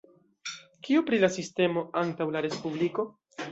Kio pri la sistemo antaŭ la respubliko?